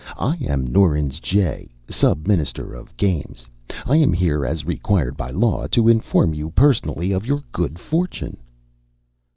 "I am Norins Jay, Sub Minister of Games. I am here, as required by law, to inform you personally of your good fortune."